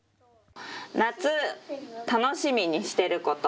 夏、楽しみにしてること。